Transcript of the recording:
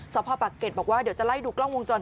สอบพ่อปะเก็ตบอกว่าเดี๋ยวจะไล่ดูกล้องวงจร